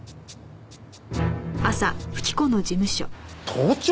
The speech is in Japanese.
盗聴！？